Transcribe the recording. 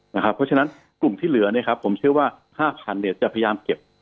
เพราะฉะนั้นกลุ่มที่เหลือผมเชื่อว่า๕๐๐๐จะพยายามเก็บ